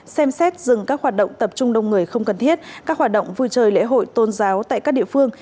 xem xét dừng các hoạt động tập trung đông người không cần thiết các hoạt động vui chơi lễ hội tôn giáo tại các địa phương